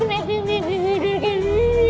kenapa mundurkan diri